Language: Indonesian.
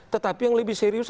tetapi yang lebih serius